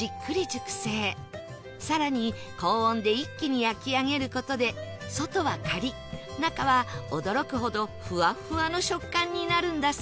更に高温で一気に焼き上げる事で外はカリッ中は驚くほどふわふわの食感になるんだそう